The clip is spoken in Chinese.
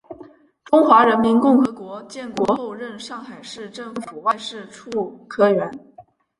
中华人民共和国建国后任上海市政府外事处科员。